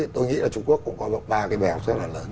tôi nghĩ là trung quốc cũng có ba cái bài học rất là lớn